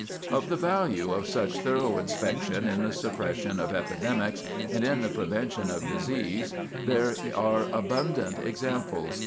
Of the value of such thorough inspection in the suppression of epidemics, and in the prevention of disease, there are abundant examples.